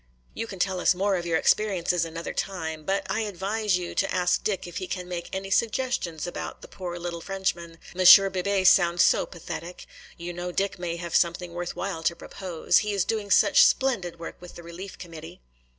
You can tell us more of your experiences another time. But I advise you to ask Dick if he can make any suggestions about the poor little Frenchman. Monsieur Bebé sounds so pathetic. You know Dick may have something worth while to propose. He is doing such splendid work with the Relief Committee."